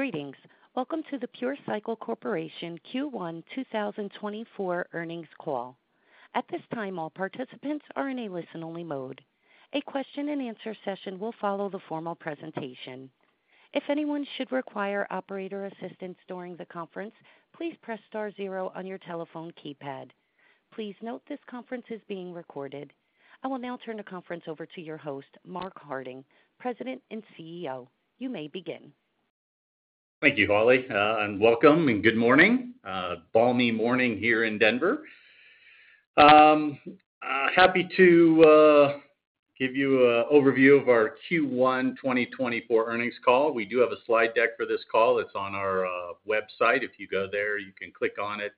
Greetings. Welcome to the Pure Cycle Corporation Q1 2024 earnings call. At this time, all participants are in a listen-only mode. A question-and-answer session will follow the formal presentation. If anyone should require operator assistance during the conference, please press star zero on your telephone keypad. Please note, this conference is being recorded. I will now turn the conference over to your host, Mark Harding, President and CEO. You may begin. Thank you, Holly, and welcome, and good morning. A balmy morning here in Denver. Happy to give you an overview of our Q1 2024 earnings call. We do have a slide deck for this call. It's on our website. If you go there, you can click on it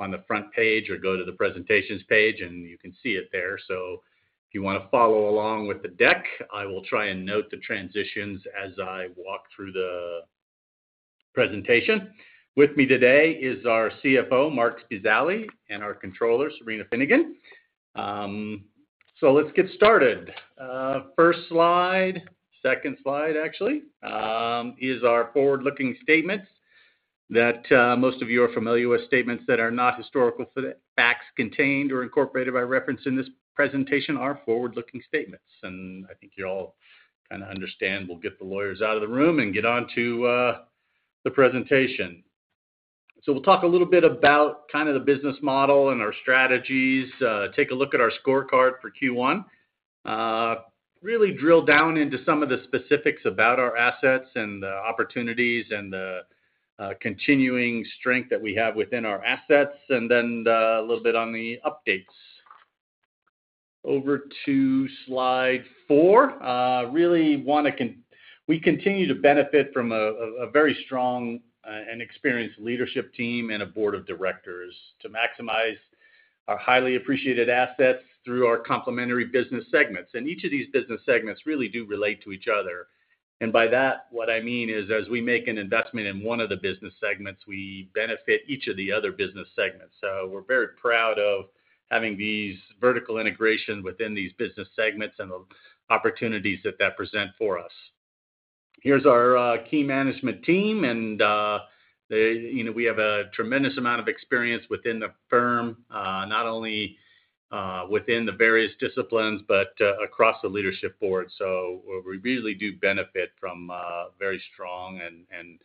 on the front page or go to the presentations page, and you can see it there. So if you want to follow along with the deck, I will try and note the transitions as I walk through the presentation. With me today is our CFO, Marc Spezialy, and our controller, Cyrena Finnegan. So let's get started. First slide, second slide, actually, is our forward-looking statements that most of you are familiar with. Statements that are not historical. Facts contained or incorporated by reference in this presentation are forward-looking statements, and I think you all kinda understand we'll get the lawyers out of the room and get on to the presentation. So we'll talk a little bit about kind of the business model and our strategies, take a look at our scorecard for Q1. Really drill down into some of the specifics about our assets and the opportunities and the continuing strength that we have within our assets, and then a little bit on the updates. Over to slide four. Really wanna continue to benefit from a very strong and experienced leadership team and a Board of Directors to maximize our highly appreciated assets through our complementary business segments. And each of these business segments really do relate to each other. And by that, what I mean is, as we make an investment in one of the business segments, we benefit each of the other business segments. So we're very proud of having these vertical integrations within these business segments and the opportunities that that present for us. Here's our key management team and they, you know, we have a tremendous amount of experience within the firm, not only within the various disciplines, but across the leadership board. So we, we really do benefit from a very strong and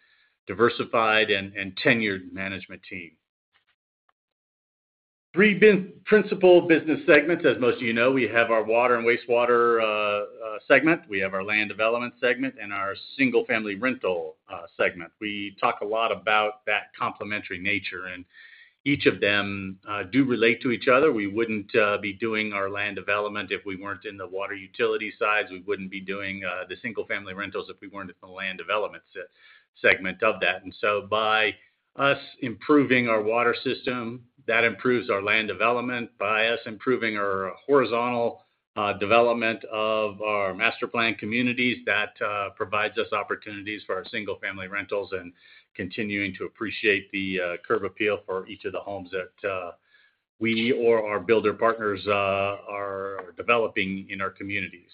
diversified and tenured management team. Three principal business segments. As most of you know, we have our Water and Wastewater segment. We have our Land Development segment and our Single-Family Rental segment. We talk a lot about that complementary nature, and each of them do relate to each other. We wouldn't be doing our land development if we weren't in the water utility sides. We wouldn't be doing the single-family rentals if we weren't in the land development segment of that. And so by us improving our water system, that improves our land development. By us improving our horizontal development of our master plan communities, that provides us opportunities for our single-family rentals and continuing to appreciate the curb appeal for each of the homes that we or our builder partners are developing in our communities.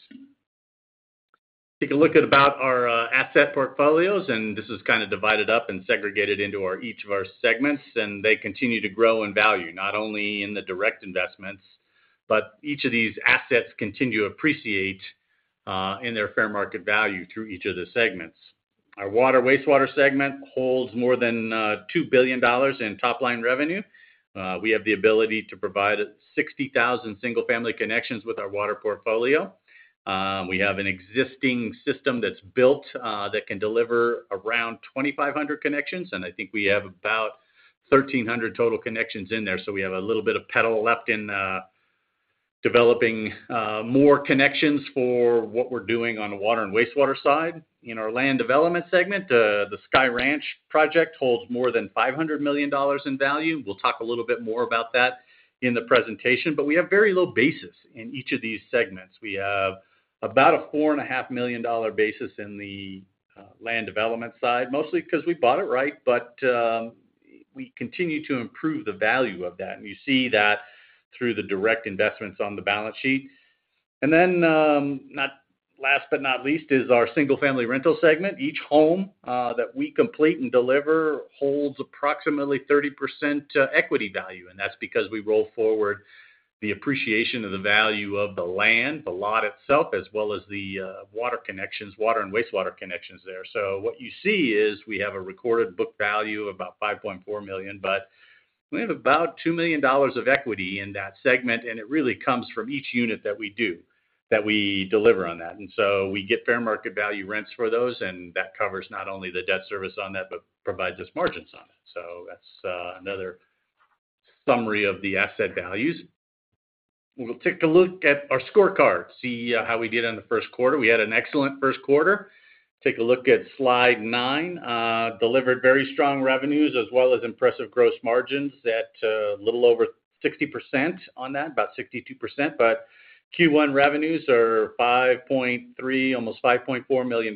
Take a look at about our asset portfolios, and this is kind of divided up and segregated into our each of our segments, and they continue to grow in value, not only in the direct investments, but each of these assets continue to appreciate in their fair market value through each of the segments. Our water, wastewater segment holds more than $2 billion in top-line revenue. We have the ability to provide 60,000 single-family connections with our water portfolio. We have an existing system that's built that can deliver around 2,500 connections, and I think we have about 1,300 total connections in there. So we have a little bit of pedal left in developing more connections for what we're doing on the water and wastewater side. In our land development segment, the Sky Ranch project holds more than $500 million in value. We'll talk a little bit more about that in the presentation, but we have very low basis in each of these segments. We have about a $4.5 million dollar basis in the land development side, mostly because we bought it right, but we continue to improve the value of that, and you see that through the direct investments on the balance sheet. And then last but not least, is our single-family rental segment. Each home that we complete and deliver holds approximately 30% equity value, and that's because we roll forward the appreciation of the value of the land, the lot itself, as well as the water connections, water and wastewater connections there. So what you see is we have a recorded book value of about $5.4 million, but we have about $2 million of equity in that segment, and it really comes from each unit that we do, that we deliver on that. We get fair market value rents for those, and that covers not only the debt service on that, but provides us margins on it. That's another summary of the asset values. We'll take a look at our scorecard, see how we did in the Q1. We had an excellent Q1. Take a look at slide nine. Delivered very strong revenues, as well as impressive gross margins at little over 60% on that, about 62%. But Q1 revenues are $5.3, almost $5.4 million,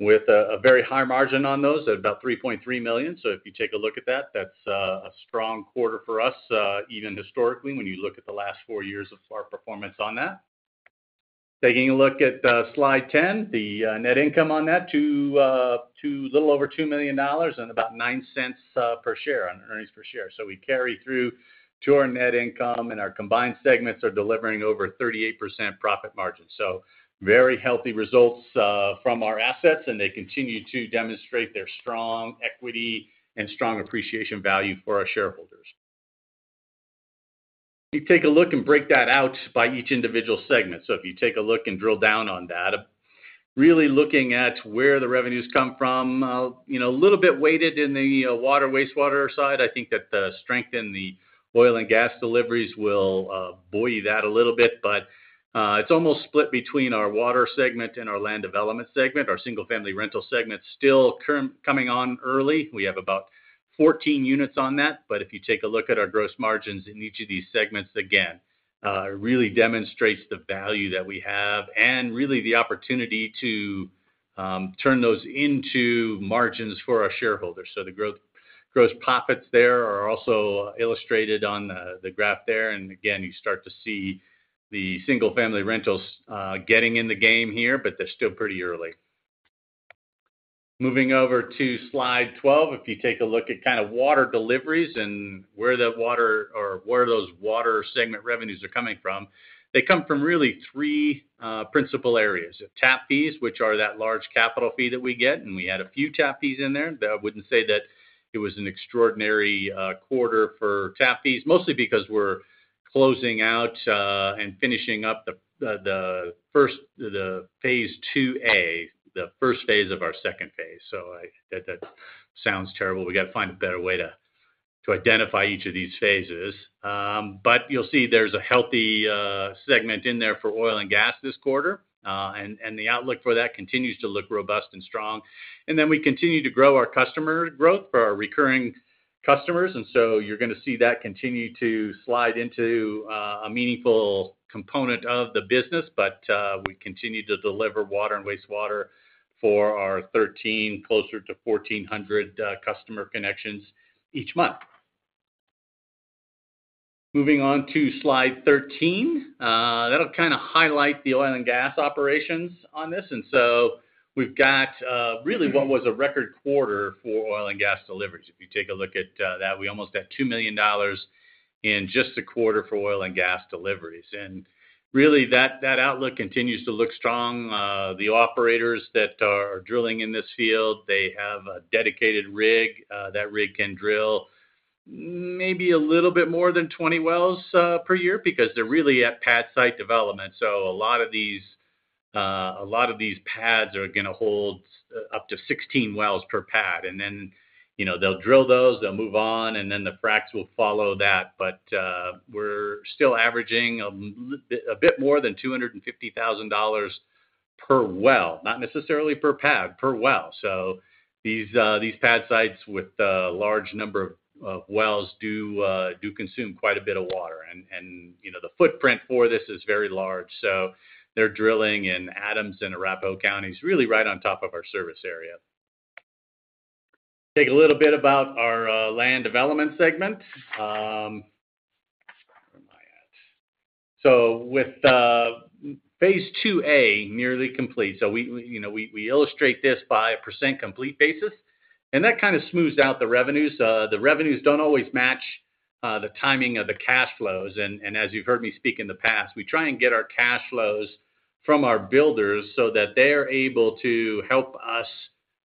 with a very high margin on those at about $3.3 million. So if you take a look at that, that's a strong quarter for us, even historically, when you look at the last four years of our performance on that. Taking a look at slide 10, the net income on that to a little over $2 million and about $0.09 per share on earnings per share. So we carry through to our net income, and our combined segments are delivering over 38% profit margin. So very healthy results from our assets, and they continue to demonstrate their strong equity and strong appreciation value for our shareholders. You take a look and break that out by each individual segment. So if you take a look and drill down on that, really looking at where the revenues come from, you know, a little bit weighted in the water, wastewater side. I think that the strength in the oil and gas deliveries will buoy that a little bit, but it's almost split between our water segment and our land development segment. Our single-family rental segment, still coming on early. We have about 14 units on that. But if you take a look at our gross margins in each of these segments, again, really demonstrates the value that we have and really the opportunity to turn those into margins for our shareholders. So the gross profits there are also illustrated on the graph there. And again, you start to see the single-family rentals getting in the game here, but they're still pretty early. Moving over to slide 12. If you take a look at kind of water deliveries and where that water or where those water segment revenues are coming from, they come from really three principal areas. Tap fees, which are that large capital fee that we get, and we had a few tap fees in there. Though I wouldn't say that it was an extraordinary quarter for tap fees, mostly because we're closing out and finishing up the phase II A, the first phase of our second phase. So that sounds terrible. We got to find a better way to identify each of these phases. But you'll see there's a healthy segment in there for oil and gas this quarter. And the outlook for that continues to look robust and strong. We continue to grow our customer growth for our recurring customers, and so you're going to see that continue to slide into a meaningful component of the business. But we continue to deliver water and wastewater for our 13, closer to 1,400 customer connections each month. Moving on to slide 13. That'll kind of highlight the oil and gas operations on this. And so we've got really what was a record quarter for oil and gas deliveries. If you take a look at that, we almost got $2 million in just a quarter for oil and gas deliveries. And really, that outlook continues to look strong. The operators that are drilling in this field, they have a dedicated rig. That rig can drill maybe a little bit more than 20 wells per year because they're really at pad site development. So a lot of these pads are going to hold up to 16 wells per pad, and then, you know, they'll drill those, they'll move on, and then the fracs will follow that. But, we're still averaging a bit more than $250,000 per well. Not necessarily per pad, per well. So these pad sites with a large number of wells do consume quite a bit of water. And, you know, the footprint for this is very large. So they're drilling in Adams County and Arapahoe County, really right on top of our service area. Take a little bit about our land development segment. Where am I at? So with phase II A nearly complete, so we, you know, we, we illustrate this by a percent complete basis, and that kind of smooths out the revenues. The revenues don't always match the timing of the cash flows. And as you've heard me speak in the past, we try and get our cash flows from our builders so that they're able to help us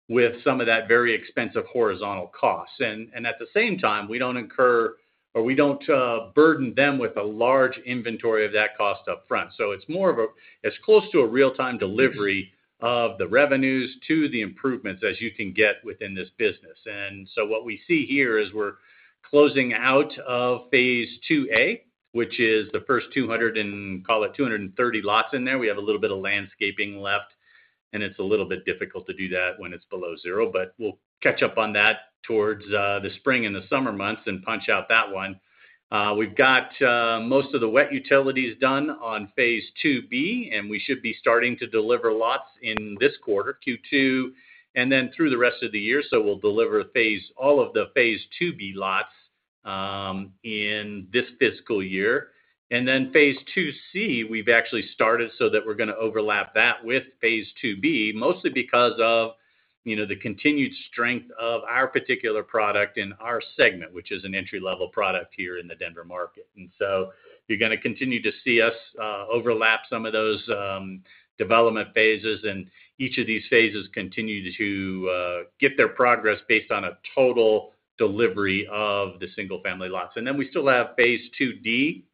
with some of that very expensive horizontal costs. And at the same time, we don't incur or we don't burden them with a large inventory of that cost upfront. So it's more of a. It's close to a real-time delivery of the revenues to the improvements as you can get within this business. And so what we see here is we're closing out of phase II A, which is the first 200 and, call it 230 lots in there. We have a little bit of landscaping left, and it's a little bit difficult to do that when it's below zero, but we'll catch up on that towards the spring and the summer months and punch out that one. We've got most of the wet utilities done on phase II B, and we should be starting to deliver lots in this quarter, Q2, and then through the rest of the year. So we'll deliver all of the phase II B lots in this fiscal year. And then phase II C, we've actually started, so that we're going to overlap that with phase II B, mostly because of, you know, the continued strength of our particular product in our segment, which is an entry-level product here in the Denver market. And so you're going to continue to see us overlap some of those development phases. And each of these phases continue to get their progress based on a total delivery of the single-family lots. And then we still have phase II D,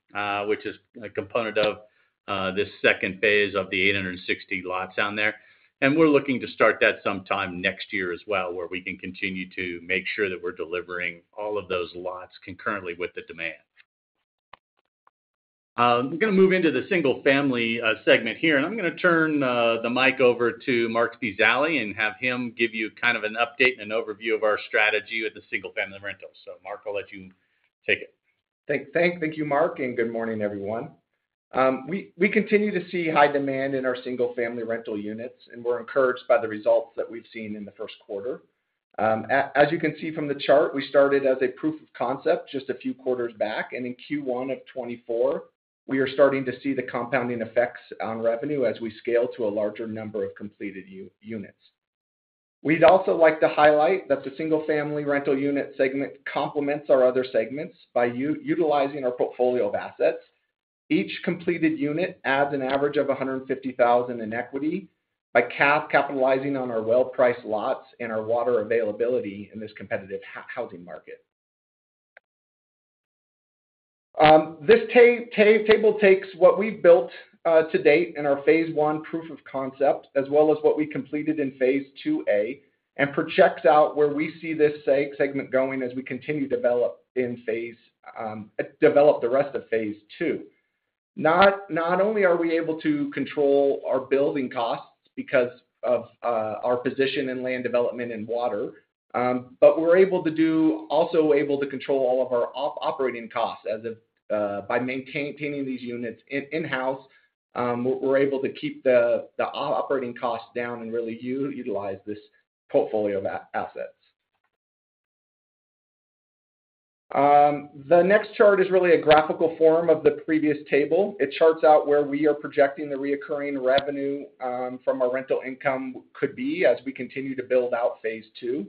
which is a component of this second phase of the 860 lots down there. And we're looking to start that sometime next year as well, where we can continue to make sure that we're delivering all of those lots concurrently with the demand. I'm going to move into the single-family segment here, and I'm going to turn the mic over to Marc Spezialy and have him give you kind of an update and overview of our strategy with the single-family rentals. Mark, I'll let you take it. Thank you, Mark, and good morning, everyone. We continue to see high demand in our single-family rental units, and we're encouraged by the results that we've seen in the Q1. As you can see from the chart, we started as a proof of concept just a few quarters back, and in Q1 of 2024, we are starting to see the compounding effects on revenue as we scale to a larger number of completed units. We'd also like to highlight that the single-family rental unit segment complements our other segments by utilizing our portfolio of assets. Each completed unit adds an average of $150,000 in equity by capitalizing on our well-priced lots and our water availability in this competitive housing market. This table takes what we've built to date in our phase I proof of concept, as well as what we completed in phase II A, and projects out where we see this segment going as we continue to develop the rest of phase II. Not only are we able to control our building costs because of our position in land development and water, but we're also able to control all of our operating costs by maintaining these units in-house. We're able to keep the operating costs down and really utilize this portfolio of assets. The next chart is really a graphical form of the previous table. It charts out where we are projecting the recurring revenue from our rental income could be as we continue to build out phase II.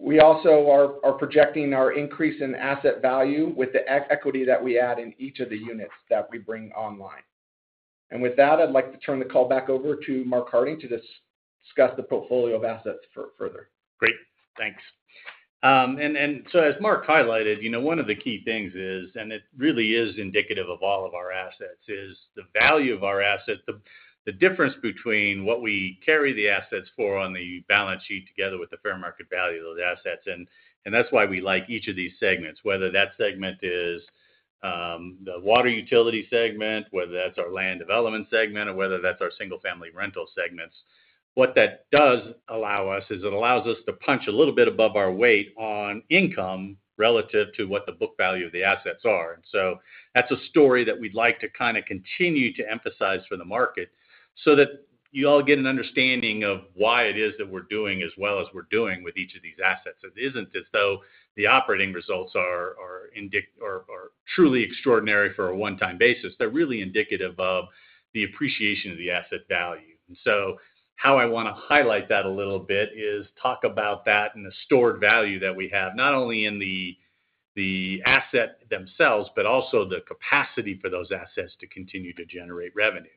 We also are projecting our increase in asset value with the equity that we add in each of the units that we bring online. And with that, I'd like to turn the call back over to Mark Harding to discuss the portfolio of assets further. Great. Thanks. And so as Mark highlighted, you know, one of the key things is, and it really is indicative of all of our assets, is the value of our assets, the difference between what we carry the assets for on the balance sheet together with the fair market value of those assets. And that's why we like each of these segments, whether that segment is the water utility segment, whether that's our land development segment, or whether that's our single-family rental segments. What that does allow us, is it allows us to punch a little bit above our weight on income relative to what the book value of the assets are. So that's a story that we'd like to kinda continue to emphasize for the market, so that you all get an understanding of why it is that we're doing as well as we're doing with each of these assets. It isn't as though the operating results are indicative or are truly extraordinary for a one-time basis. They're really indicative of the appreciation of the asset value. And so how I wanna highlight that a little bit is talk about that and the stored value that we have, not only in the assets themselves, but also the capacity for those assets to continue to generate revenue.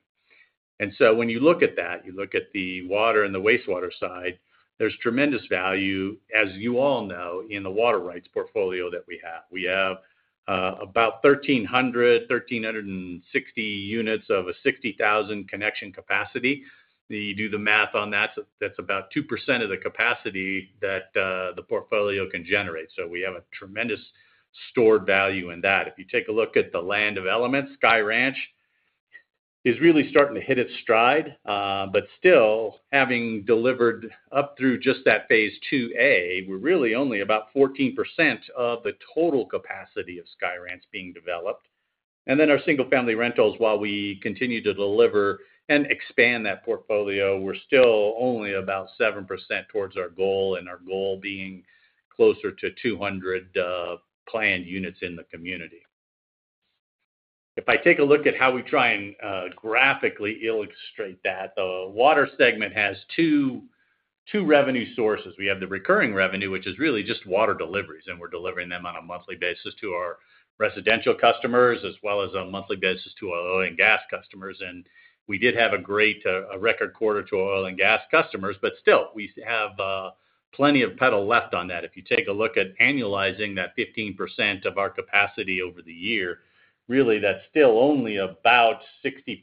And so when you look at that, you look at the water and the wastewater side, there's tremendous value, as you all know, in the water rights portfolio that we have. We have about 1,300, 1,360 units of a 60,000 connection capacity. You do the math on that, that's about 2% of the capacity that the portfolio can generate. So we have a tremendous stored value in that. If you take a look at the land developments, Sky Ranch is really starting to hit its stride, but still, having delivered up through just that phase II A, we're really only about 14% of the total capacity of Sky Ranch being developed. And then our single-family rentals, while we continue to deliver and expand that portfolio, we're still only about 7% towards our goal, and our goal being closer to 200 planned units in the community. If I take a look at how we try and graphically illustrate that, the water segment has two, two revenue sources. We have the recurring revenue, which is really just water deliveries, and we're delivering them on a monthly basis to our residential customers, as well as on a monthly basis to our oil and gas customers. And we did have a great, a record quarter to our oil and gas customers, but still, we have, plenty of pedal left on that. If you take a look at annualizing that 15% of our capacity over the year, really, that's still only about 60%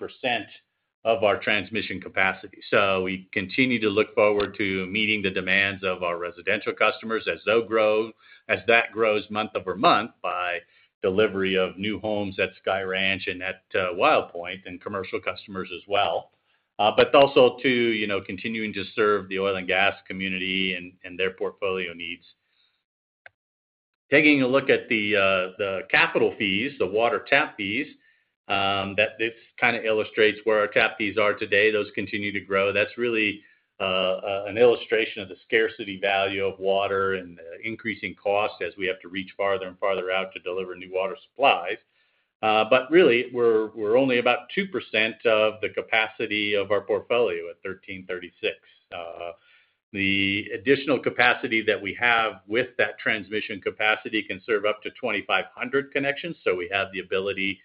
of our transmission capacity. So we continue to look forward to meeting the demands of our residential customers as they'll grow, as that grows month-over-month, by delivery of new homes at Sky Ranch and at, Wild Pointe, and commercial customers as well. But also to, you know, continuing to serve the oil and gas community and, and their portfolio needs. Taking a look at the capital fees, the water tap fees, this kinda illustrates where our tap fees are today. Those continue to grow. That's really an illustration of the scarcity value of water and the increasing cost as we have to reach farther and farther out to deliver new water supplies. But really, we're only about 2% of the capacity of our portfolio at 1,336. The additional capacity that we have with that transmission capacity can serve up to 2,500 connections, so we have the ability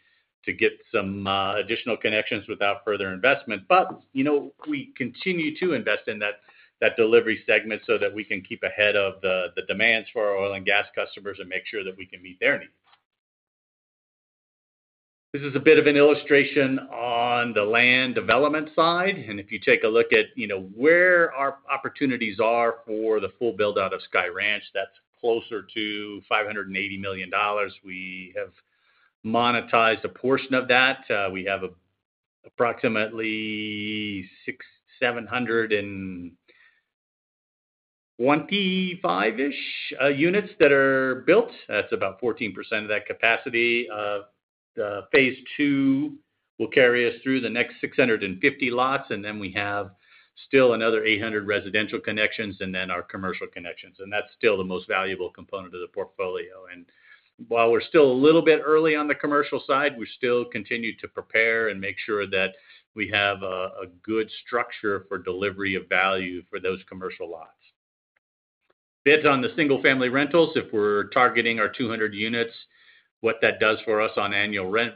to get some additional connections without further investment. But, you know, we continue to invest in that delivery segment so that we can keep ahead of the demands for our oil and gas customers and make sure that we can meet their needs. This is a bit of an illustration on the land development side, and if you take a look at, you know, where our opportunities are for the full build-out of Sky Ranch, that's closer to $580 million. We have monetized a portion of that. We have approximately seven hundred and twenty-five-ish units that are built. That's about 14% of that capacity. The phase II will carry us through the next 650 lots, and then we have still another 800 residential connections and then our commercial connections, and that's still the most valuable component of the portfolio. And while we're still a little bit early on the commercial side, we still continue to prepare and make sure that we have a good structure for delivery of value for those commercial lots. Bids on the single-family rentals, if we're targeting our 200 units, what that does for us on annual rent,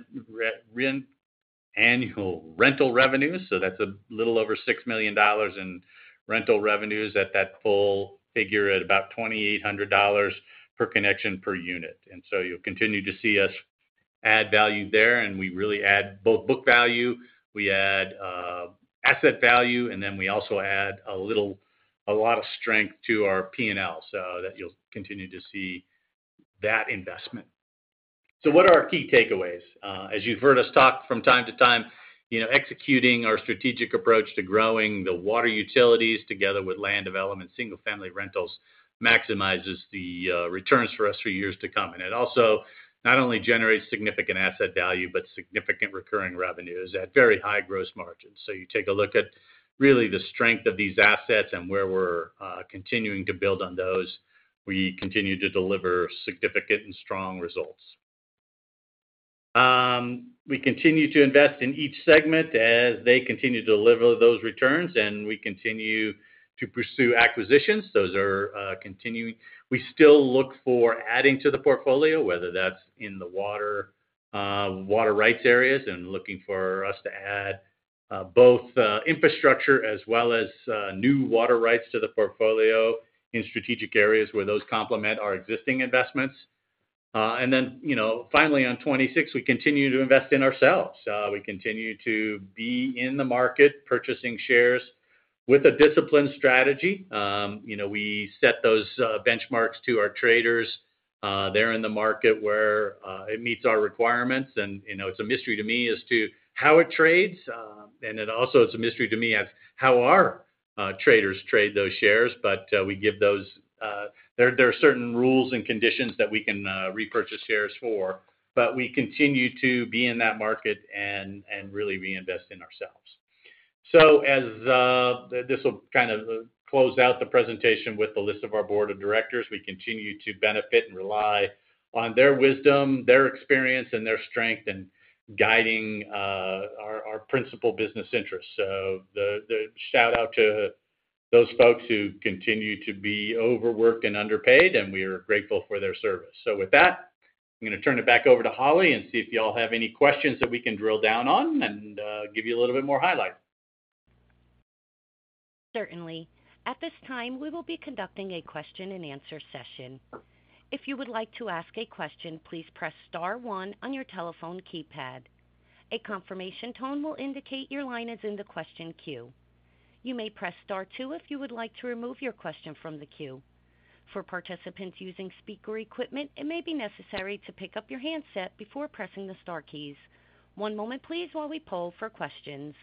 rental revenues, so that's a little over $6 million in rental revenues at that full figure, at about $2,800 per connection per unit. And so you'll continue to see us add value there, and we really add both book value, we add asset value, and then we also add a lot of strength to our P&L, so that you'll continue to see that investment. So what are our key takeaways? As you've heard us talk from time to time, you know, executing our strategic approach to growing the water utilities together with land development, single-family rentals, maximizes the returns for us for years to come. And it also not only generates significant asset value, but significant recurring revenues at very high gross margins. So you take a look at really the strength of these assets and where we're continuing to build on those, we continue to deliver significant and strong results. We continue to invest in each segment as they continue to deliver those returns, and we continue to pursue acquisitions. Those are continuing. We still look for adding to the portfolio, whether that's in the water water rights areas, and looking for us to add both infrastructure as well as new water rights to the portfolio in strategic areas where those complement our existing investments. And then, you know, finally, on 26, we continue to invest in ourselves. We continue to be in the market, purchasing shares with a disciplined strategy. You know, we set those benchmarks to our traders there in the market where it meets our requirements. And, you know, it's a mystery to me as to how it trades, and it also is a mystery to me as how our traders trade those shares. But, we give those, there are certain rules and conditions that we can repurchase shares for, but we continue to be in that market and really reinvest in ourselves. So as this will kind of close out the presentation with the list of our Board of Directors. We continue to benefit and rely on their wisdom, their experience and their strength in guiding our principal business interests. So the shout out to those folks who continue to be overworked and underpaid, and we are grateful for their service. So with that, I'm going to turn it back over to Holly and see if you all have any questions that we can drill down on and give you a little bit more highlight. Certainly. At this time, we will be conducting a question and answer session. If you would like to ask a question, please press star one on your telephone keypad. A confirmation tone will indicate your line is in the question queue. You may press star two if you would like to remove your question from the queue. For participants using speaker equipment, it may be necessary to pick up your handset before pressing the star keys. One moment please, while we poll for questions.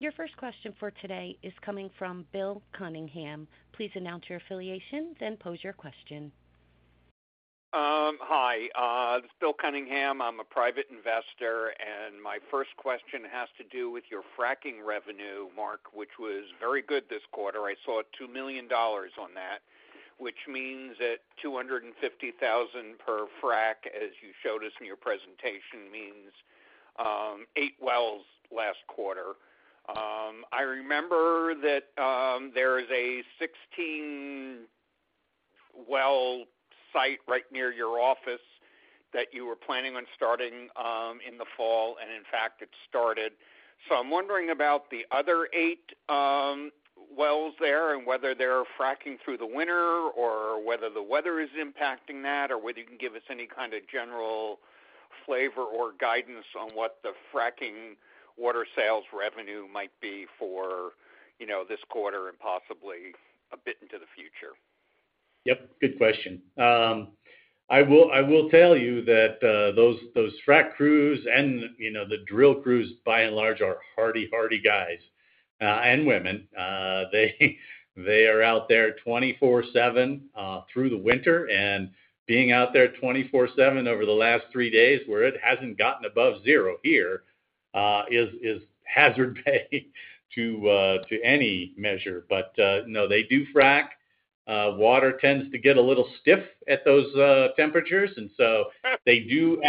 Your first question for today is coming from Bill Cunningham. Please announce your affiliations and pose your question. Hi, this is Bill Cunningham. I'm a private investor, and my first question has to do with your fracking revenue, Mark, which was very good this quarter. I saw $2 million on that, which means that $250,000 per frack, as you showed us in your presentation, means eight wells last quarter. I remember that there is a 16-well site right near your office that you were planning on starting in the fall, and in fact, it started. So I'm wondering about the other eight wells there and whether they're fracking through the winter, or whether the weather is impacting that, or whether you can give us any kind of general flavor or guidance on what the fracking water sales revenue might be for, you know, this quarter and possibly a bit into the future. Yep, good question. I will tell you that those frack crews and, you know, the drill crews, by and large, are hardy guys and women. They are out there 24/7 through the winter, and being out there 24/7 over the last three days, where it hasn't gotten above zero here, is hazard pay to any measure. But no, they do frack. Water tends to get a little stiff at those temperatures, and so they do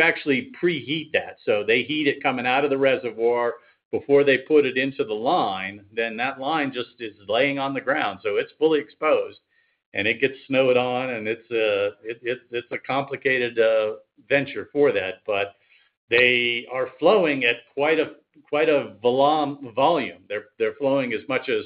actually pre-heat that. So they heat it coming out of the reservoir before they put it into the line. Then that line just is laying on the ground, so it's fully exposed, and it gets snowed on and it's a complicated venture for that. But they are flowing at quite a volume. They're flowing as much as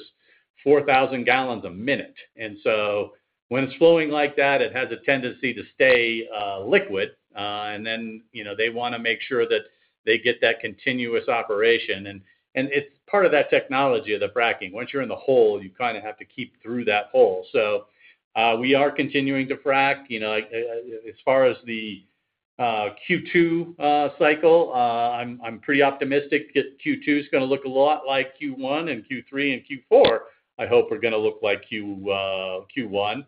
4,000 gallons a minute. And so when it's flowing like that, it has a tendency to stay liquid. And then, you know, they wanna make sure that they get that continuous operation. And it's part of that technology of the fracking. Once you're in the hole, you kind of have to keep through that hole. So we are continuing to frack. You know, as far as the Q2 cycle, I'm pretty optimistic that Q2 is gonna look a lot like Q1, and Q3 and Q4, I hope are gonna look like Q1.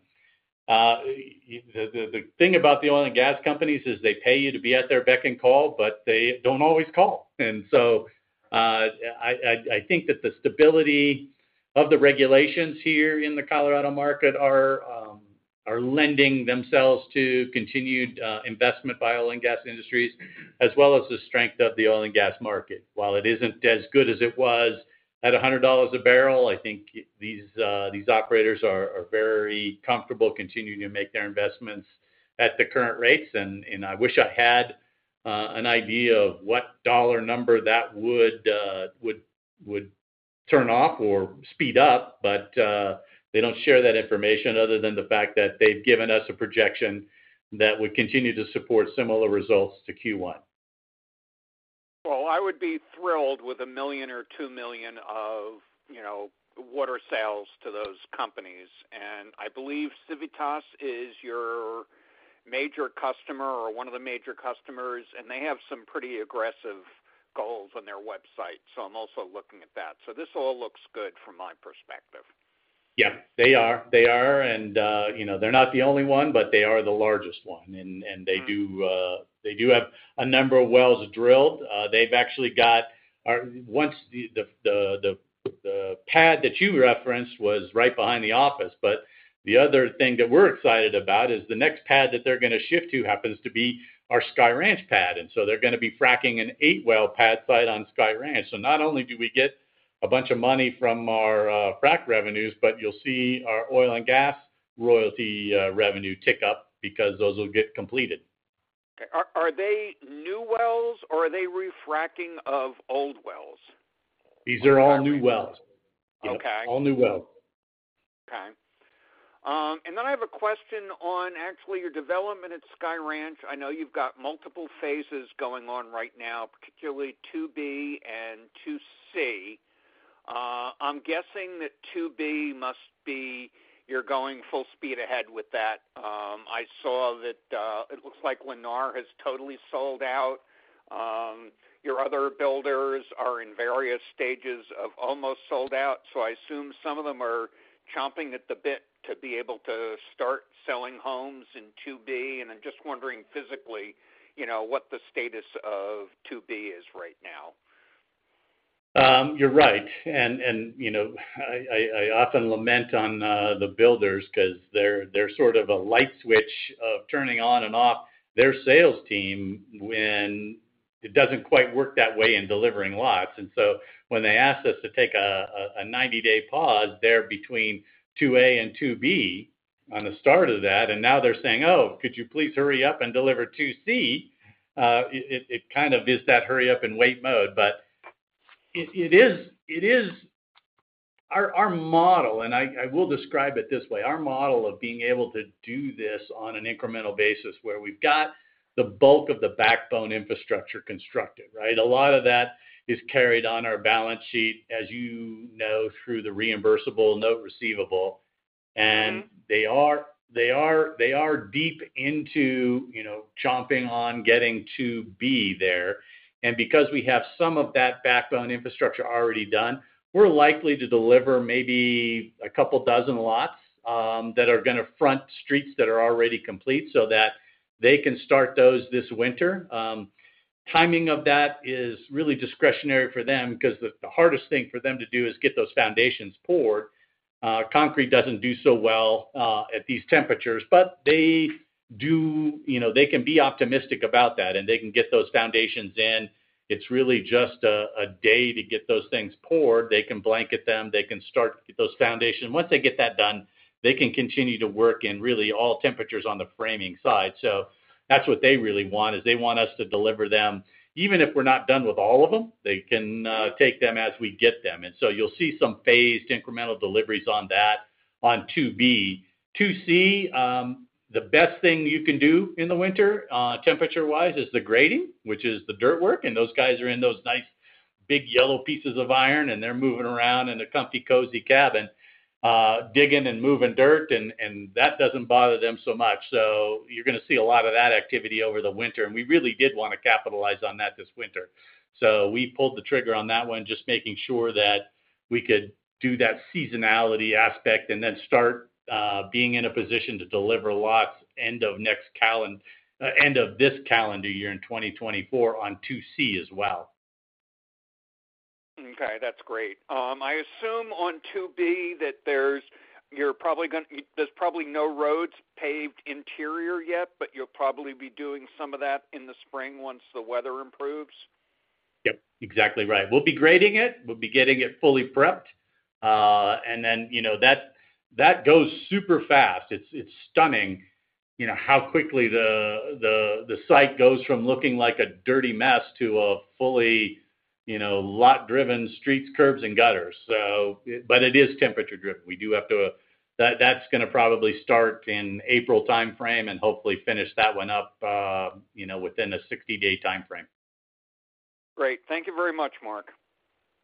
The thing about the oil and gas companies is they pay you to be at their beck and call, but they don't always call. And so, I think that the stability of the regulations here in the Colorado market are lending themselves to continued investment by oil and gas industries, as well as the strength of the oil and gas market. While it isn't as good as it was at $100 a barrel, I think these operators are very comfortable continuing to make their investments at the current rates. And I wish I had an idea of what dollar number that would turn off or speed up, but they don't share that information other than the fact that they've given us a projection that would continue to support similar results to Q1. Well, I would be thrilled with $1 million or $2 million of, you know, water sales to those companies. And I believe Civitas is your major customer or one of the major customers, and they have some pretty aggressive goals on their website, so I'm also looking at that. So this all looks good from my perspective. Yeah, they are. They are, and, you know, they're not the only one, but they are the largest one. And they do have a number of wells drilled. They've actually got one, the pad that you referenced was right behind the office, but the other thing that we're excited about is the next pad that they're gonna shift to happens to be our Sky Ranch pad. And so they're gonna be fracking an eight-well pad site on Sky Ranch. So not only do we get a bunch of money from our frack revenues, but you'll see our oil and gas royalty revenue tick up because those will get completed. Are they new wells or are they refracking of old wells? These are all new wells. Okay. All new wells. Okay. And then I have a question on actually your development at Sky Ranch. I know you've got multiple phases going on right now, particularly two B and two C. I'm guessing that two B must be... You're going full speed ahead with that. I saw that, it looks like Lennar has totally sold out. Your other builders are in various stages of almost sold out, so I assume some of them are chomping at the bit to be able to start selling homes in two B. And I'm just wondering physically, you know, what the status of two B is right now. You're right. And, and, you know, I often lament on the builders 'cause they're, they're sort of a light switch of turning on and off their sales team when it doesn't quite work that way in delivering lots. And so when they asked us to take a 90-day pause there between two A and two B on the start of that, and now they're saying, "Oh, could you please hurry up and deliver two C?" It kind of is that hurry up and wait mode. But it is. Our model, and I will describe it this way, our model of being able to do this on an incremental basis, where we've got the bulk of the backbone infrastructure constructed, right? A lot of that is carried on our balance sheet, as you know, through the reimbursable note receivable. Mm-hmm. They are deep into, you know, chomping on getting two B there. And because we have some of that backbone infrastructure already done, we're likely to deliver maybe a couple dozen lots that are gonna front streets that are already complete, so that they can start those this winter. Timing of that is really discretionary for them because the hardest thing for them to do is get those foundations poured. Concrete doesn't do so well at these temperatures, but they do, you know, they can be optimistic about that, and they can get those foundations in. It's really just a day to get those things poured. They can blanket them. They can start those foundations. Once they get that done, they can continue to work in really all temperatures on the framing side. So that's what they really want, is they want us to deliver them. Even if we're not done with all of them, they can take them as we get them. And so you'll see some phased incremental deliveries on that, on two B. Two C, the best thing you can do in the winter, temperature-wise, is the grading, which is the dirt work, and those guys are in those nice, big yellow pieces of iron, and they're moving around in a comfy, cozy cabin, digging and moving dirt, and that doesn't bother them so much. So you're gonna see a lot of that activity over the winter. And we really did want to capitalize on that this winter, so we pulled the trigger on that one, just making sure that we could do that seasonality aspect and then start being in a position to deliver lots end of this calendar year in 2024 on two C as well. Okay, that's great. I assume on two B, that there's probably no roads paved interior yet, but you'll probably be doing some of that in the spring once the weather improves? Yep, exactly right. We'll be grading it. We'll be getting it fully prepped. And then, you know, that goes super fast. It's stunning you know, how quickly the site goes from looking like a dirty mess to a fully, you know, lot-driven streets, curbs, and gutters. So, but it is temperature-driven. We do have to—that's gonna probably start in April timeframe and hopefully finish that one up, you know, within a 60-day timeframe. Great. Thank you very much, Mark.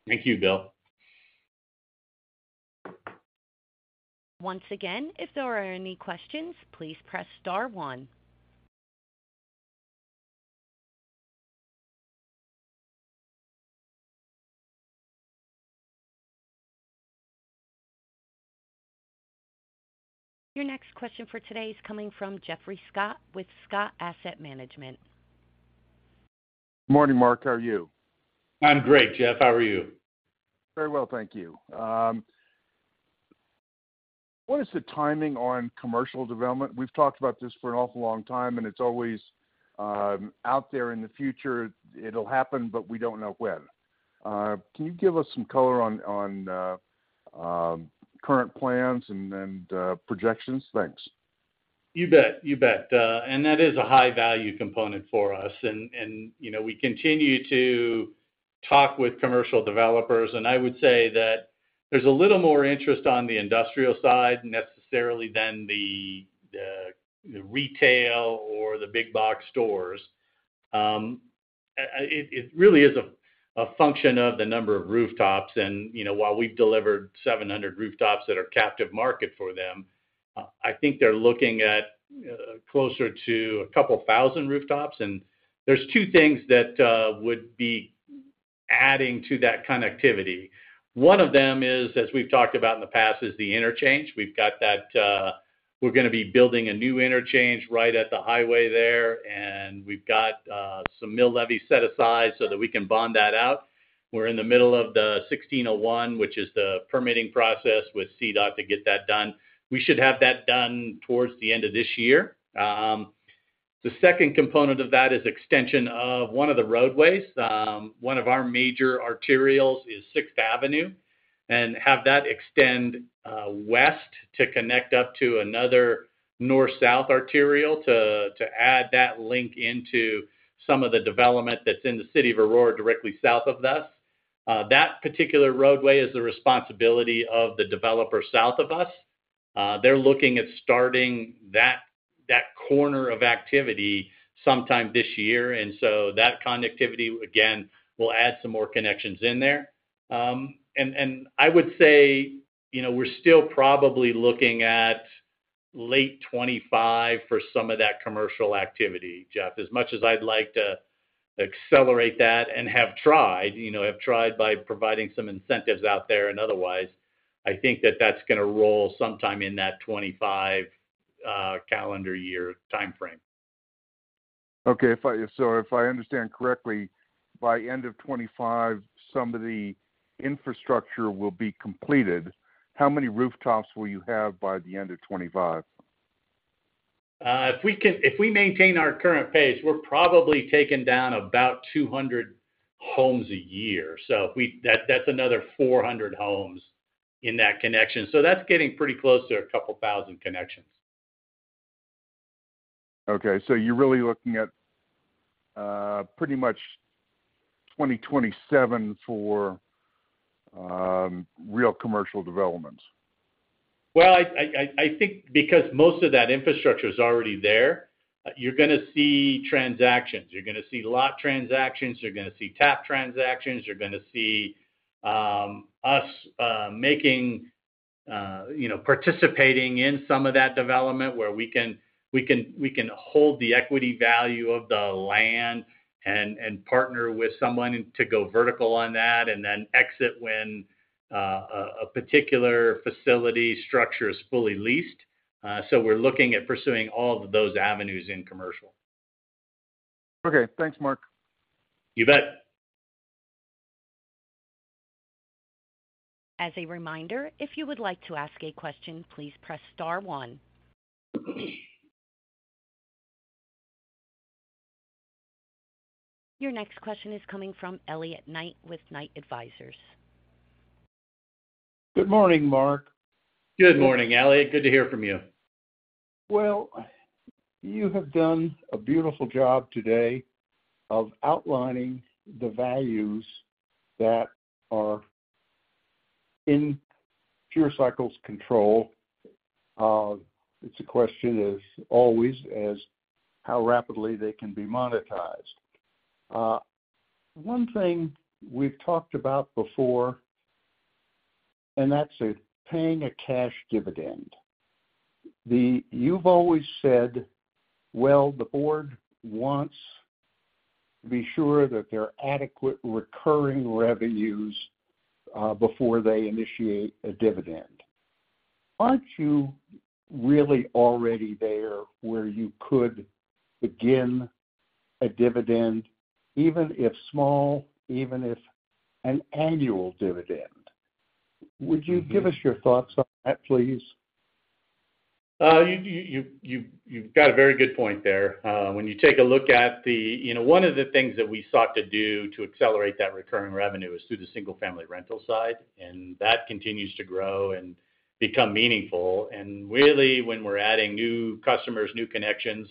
Thank you, Bill. Once again, if there are any questions, please press Star one. Your next question for today is coming from Jeffrey Scott with Scott Asset Management. Good morning, Mark. How are you? I'm great, Jeff. How are you? Very well, thank you. What is the timing on commercial development? We've talked about this for an awful long time, and it's always out there in the future. It'll happen, but we don't know when. Can you give us some color on current plans and projections? Thanks. You bet. You bet. And that is a high-value component for us. And, you know, we continue to talk with commercial developers, and I would say that there's a little more interest on the industrial side necessarily than the retail or the Big-box stores. It really is a function of the number of rooftops, and, you know, while we've delivered 700 rooftops that are captive market for them, I think they're looking at closer to a couple thousand rooftops. And there's two things that would be adding to that connectivity. One of them is, as we've talked about in the past, is the interchange. We've got that. We're gonna be building a new interchange right at the highway there, and we've got some Mill Levy set aside so that we can bond that out. We're in the middle of the 1601, which is the permitting process with CDOT to get that done. We should have that done towards the end of this year. The second component of that is extension of one of the roadways. One of our major arterials is Sixth Avenue, and have that extend west to connect up to another north-south arterial, to add that link into some of the development that's in the city of Aurora, directly south of us. That particular roadway is the responsibility of the developer south of us. They're looking at starting that corner of activity sometime this year, and so that connectivity, again, will add some more connections in there. And I would say, you know, we're still probably looking at late 2025 for some of that commercial activity, Jeff. As much as I'd like to accelerate that and have tried, you know, have tried by providing some incentives out there and otherwise, I think that that's gonna roll sometime in that 2025 calendar year timeframe. Okay. So if I understand correctly, by end of 2025, some of the infrastructure will be completed. How many rooftops will you have by the end of 2025? If we maintain our current pace, we're probably taking down about 200 homes a year. So if we... That, that's another 400 homes in that connection. So that's getting pretty close to 2,000 connections. Okay, so you're really looking at pretty much 2027 for real commercial developments? Well, I think because most of that infrastructure is already there, you're gonna see transactions. You're gonna see lot transactions, you're gonna see tap transactions, you're gonna see us making, you know, participating in some of that development, where we can hold the equity value of the land and partner with someone to go vertical on that, and then exit when a particular facility structure is fully leased. So we're looking at pursuing all of those avenues in commercial. Okay. Thanks, Mark. You bet. As a reminder, if you would like to ask a question, please press star one. Your next question is coming from Elliot Knight, with Knight Advisors. Good morning, Mark. Good morning, Elliot. Good to hear from you. Well, you have done a beautiful job today of outlining the values that are in Pure Cycle's control. It's a question, as always, as how rapidly they can be monetized. One thing we've talked about before, and that's it, paying a cash dividend. You've always said, well, the board wants to be sure that there are adequate recurring revenues before they initiate a dividend. Aren't you really already there, where you could begin a dividend, even if small, even if an annual dividend? Would you give us your thoughts on that, please? You've got a very good point there. When you take a look at the... You know, one of the things that we sought to do to accelerate that recurring revenue is through the single-family rental side, and that continues to grow... become meaningful. And really, when we're adding new customers, new connections,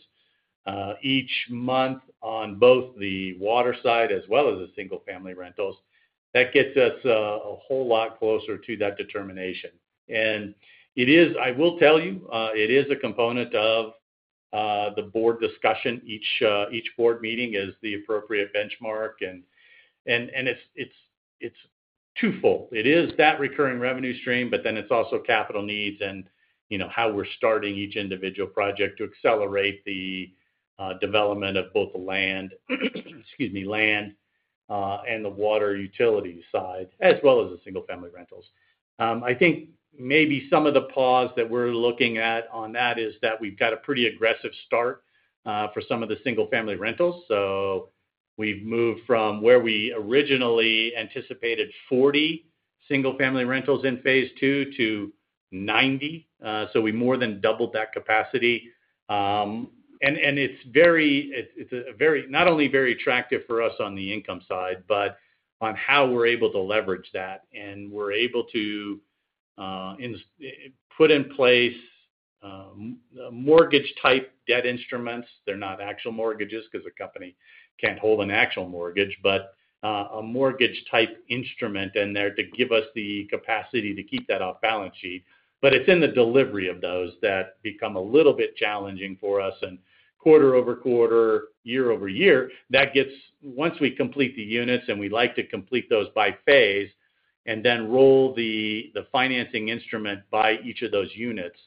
each month on both the water side as well as the single-family rentals, that gets us a whole lot closer to that determination. And it is. I will tell you, it is a component of the board discussion. Each board meeting is the appropriate benchmark, and it's twofold. It is that recurring revenue stream, but then it's also capital needs and, you know, how we're starting each individual project to accelerate the development of both the land, excuse me, land, and the water utility side, as well as the single-family rentals. I think maybe some of the pause that we're looking at on that is that we've got a pretty aggressive start for some of the single-family rentals. So we've moved from where we originally anticipated 40 single-family rentals in phase two to 90. So we more than doubled that capacity. And it's very, it's a very, not only very attractive for us on the income side, but on how we're able to leverage that. And we're able to put in place mortgage-type debt instruments. They're not actual mortgages, 'cause the company can't hold an actual mortgage, but a mortgage-type instrument in there to give us the capacity to keep that off balance sheet. But it's in the delivery of those that become a little bit challenging for us. Quarter-over-quarter, year-over-year, that gets... Once we complete the units, and we like to complete those by phase, and then roll the financing instrument by each of those units.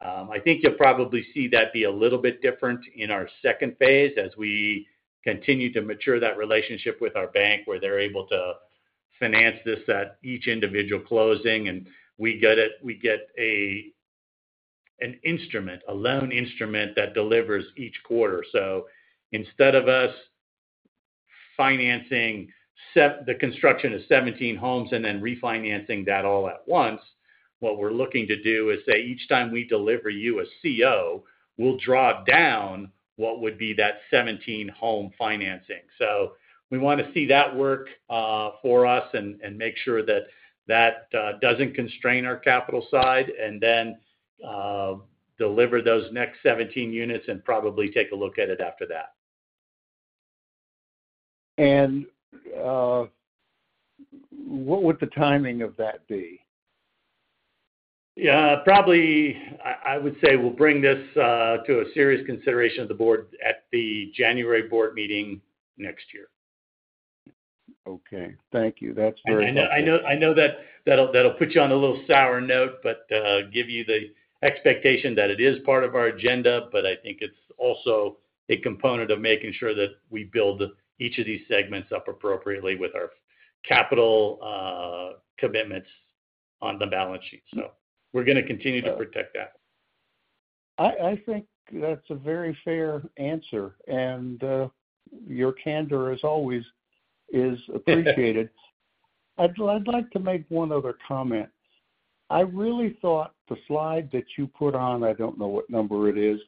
I think you'll probably see that be a little bit different in our second phase as we continue to mature that relationship with our bank, where they're able to finance this at each individual closing, and we get an instrument, a loan instrument that delivers each quarter. So instead of us financing the construction of 17 homes and then refinancing that all at once, what we're looking to do is say, each time we deliver you a CO, we'll draw down what would be that 17 home financing. So we wanna see that work for us and make sure that that doesn't constrain our capital side, and then deliver those next 17 units and probably take a look at it after that. What would the timing of that be? Yeah, probably, I would say we'll bring this to a serious consideration of the board at the January board meeting next year. Okay. Thank you. That's very helpful. I know that that'll put you on a little sour note, but give you the expectation that it is part of our agenda, but I think it's also a component of making sure that we build each of these segments up appropriately with our capital commitments on the balance sheet. So we're gonna continue to protect that. I think that's a very fair answer, and your candor, as always, is appreciated. I'd like to make one other comment. I really thought the slide that you put on, I don't know what number it is,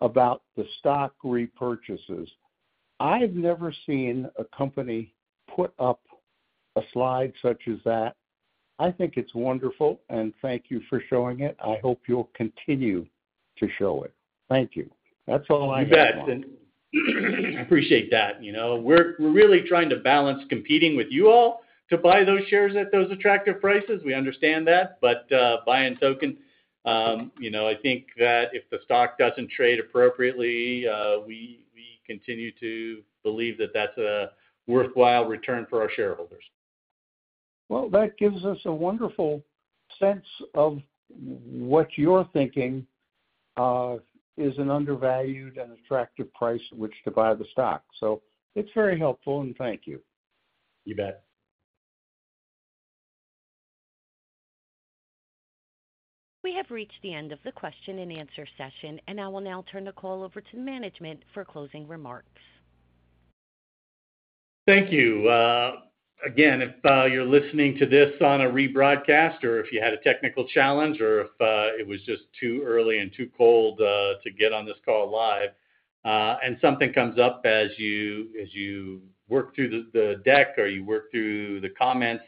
about the stock repurchases. I've never seen a company put up a slide such as that. I think it's wonderful, and thank you for showing it. I hope you'll continue to show it. Thank you. That's all I got. You bet. I appreciate that. You know, we're really trying to balance competing with you all to buy those shares at those attractive prices. We understand that, but by and token, you know, I think that if the stock doesn't trade appropriately, we continue to believe that that's a worthwhile return for our shareholders. Well, that gives us a wonderful sense of what you're thinking is an undervalued and attractive price at which to buy the stock. So it's very helpful, and thank you. You bet. We have reached the end of the question and answer session, and I will now turn the call over to management for closing remarks. Thank you. Again, if you're listening to this on a rebroadcast or if you had a technical challenge or if it was just too early and too cold to get on this call live, and something comes up as you work through the deck or you work through the comments,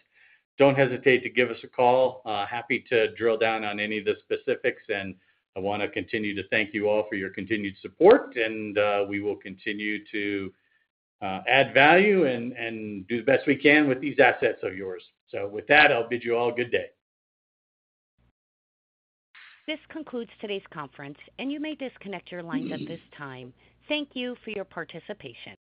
don't hesitate to give us a call. Happy to drill down on any of the specifics, and I wanna continue to thank you all for your continued support, and we will continue to add value and do the best we can with these assets of yours. So with that, I'll bid you all a good day. This concludes today's conference, and you may disconnect your lines at this time. Thank you for your participation.